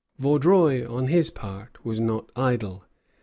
Vaudreuil on his part was not idle.